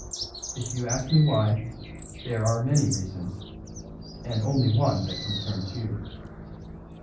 If you ask me why, there are many reasons, and only one that concerns you.